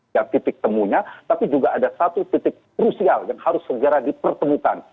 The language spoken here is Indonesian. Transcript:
yang titik temunya tapi juga ada satu titik krusial yang harus segera dipertemukan